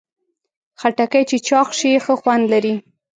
خټکی چې چاق شي، ښه خوند لري.